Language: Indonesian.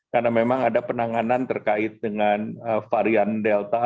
karena memang ada penanganan terkait dengan varian delta